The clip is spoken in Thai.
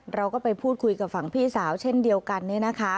เราก็ไปพูดคุยกับฝั่งพี่สาวเช่นเดียวกันเนี่ยนะคะ